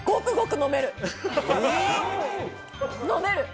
飲める！